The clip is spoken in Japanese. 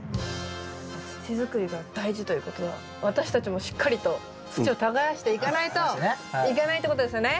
土づくりが大事ということは私たちもしっかりと土を耕していかないといけないってことですよね。